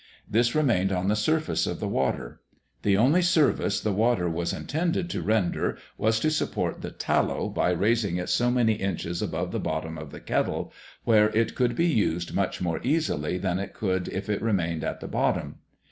This remained on the surface of the water. The only service the water was intended to render was to support the tallow by raising it so many inches above the bottom of the kettle, where it could be used much more easily than it could if it remained at the bottom.